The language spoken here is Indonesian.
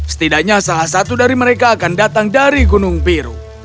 setidaknya salah satu dari mereka akan datang dari gunung biru